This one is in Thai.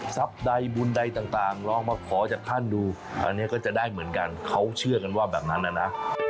ใดบุญใดต่างลองมาขอจากท่านดูอันนี้ก็จะได้เหมือนกันเขาเชื่อกันว่าแบบนั้นนะ